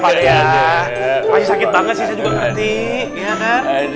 masih sakit banget sih saya juga ganti